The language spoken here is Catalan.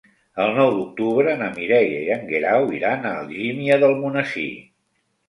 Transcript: El nou d'octubre na Mireia i en Guerau iran a Algímia d'Almonesir.